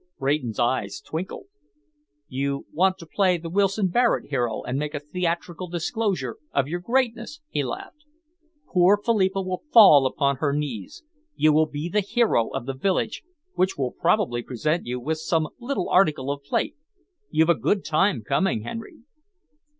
Rayton's eyes twinkled. "You want to play the Wilson Barrett hero and make a theatrical disclosure of your greatness," he laughed. "Poor Philippa will fall upon her knees. You will be the hero of the village, which will probably present you with some little article of plate. You've a good time coming, Henry."